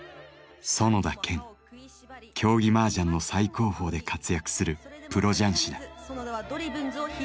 競技麻雀の最高峰で活躍するプロ雀士だ。